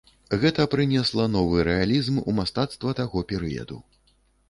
Гэта прынесла новы рэалізм у мастацтва таго перыяду.